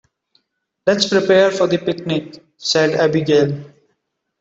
"Let's prepare for the picnic!", said Abigail.